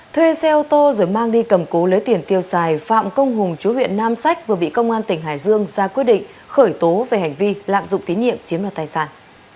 thuê xe ô tô rồi mang đi cầm cố lấy tiền tiêu xài phạm công hùng chú huyện nam sách vừa bị công an tỉnh hải dương ra quyết định khởi tố về hành vi lạm dụng tín nhiệm chiếm đoạt tài sản